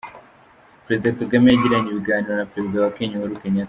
Perezida Kagame yagiranye ibiganiro na Perezida wa Kenya Uhuru Kenyatta.